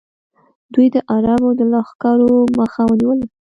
دوی د عربو د لښکرو مخه ونیوله